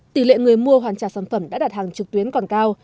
tỷ lệ người mua hoàn trả sản phẩm đã đặt hàng trực tuyến còn cao